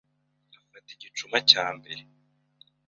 Afata igicuma cya mbere